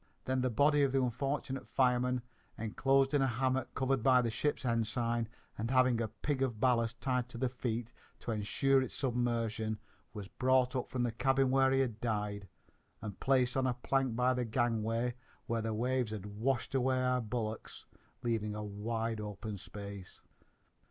Then the body of the unfortunate fireman, enclosed in a hammock covered by the ship's ensign and having a pig of ballast tied to the feet to ensure its submersion, was brought up from the cabin where he had died, and placed on a plank by the gangway where the waves had washed away our bulwarks, leaving a wide open space.